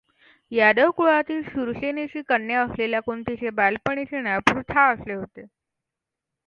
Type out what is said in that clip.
यादव कुळातील शूरसेनाची कन्या असलेल्या कुंतीचे बालपणीचे नाव पृथा असे होते.